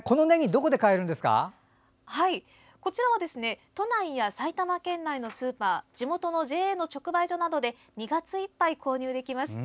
こちらは都内や埼玉県内のスーパー地元のＪＡの直売所などで２月いっぱい購入できます。